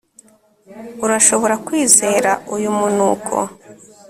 Urashobora kwizera uyu munuko